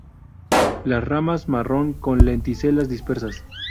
Las ramas marrón, con lenticelas dispersas.